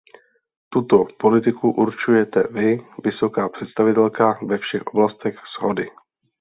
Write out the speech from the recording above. Tuto politiku určujete vy, vysoká představitelka, ve všech oblastech shody.